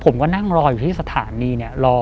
ผมก็นั่งรออยู่ที่สถานี